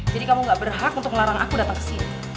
jadi kamu gak berhak untuk ngelarang aku datang kesini